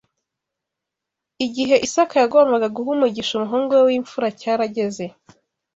Igihe Isaka yagombaga guha umugisha umuhungu we w’imfura cyarageze